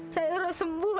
saya harus sembuh